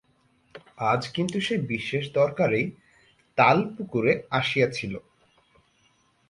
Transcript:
আজ কিন্তু সে বিশেষ দরকারেই তালপুকুরে আসিয়াছিল।